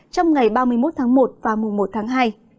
trong ngày ba mươi một tháng một và mùng một tháng hai